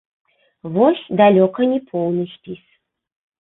Вось далёка не поўны спіс.